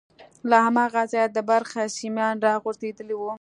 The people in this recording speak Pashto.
له هماغه ځايه د برق سيمان راغځېدلي وو.